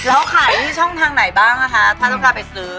แล้วขายที่ช่องทางไหนบ้างนะคะถ้าต้องการไปซื้อ